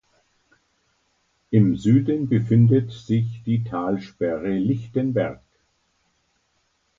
Im Süden befindet sich die Talsperre Lichtenberg.